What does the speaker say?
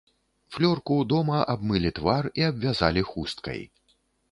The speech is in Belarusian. Флёрку дома абмылі твар і абвязалі хусткай.